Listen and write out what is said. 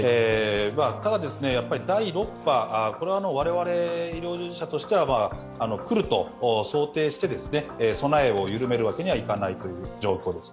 ただ第６波、これは我々医療従事者としては来ると想定して備えを緩めるわけにはいかないという状況です。